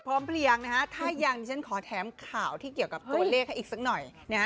เพลียงนะฮะถ้ายังฉันขอแถมข่าวที่เกี่ยวกับตัวเลขให้อีกสักหน่อยนะฮะ